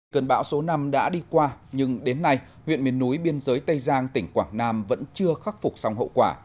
cơn bão số năm đã đi qua nhưng đến nay huyện miền núi biên giới tây giang tỉnh quảng nam vẫn chưa khắc phục xong hậu quả